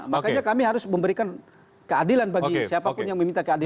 makanya kami harus memberikan keadilan bagi siapapun yang meminta keadilan